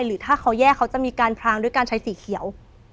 หรือถ้าเขาแยกเขาจะมีการพรางด้วยการใช้สีเขียว